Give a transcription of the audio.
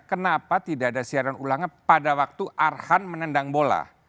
kenapa tidak ada siaran ulangnya pada waktu arhan menendang bola